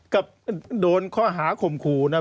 กับโดนข้อหาข่มขู่นะ